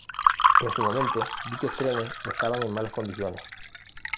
En su momento, dichos trenes estaban en malas condiciones.